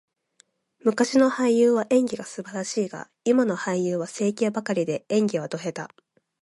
昔の俳優は演技が素晴らしいが、今の俳優は整形ばかりで、演技はド下手。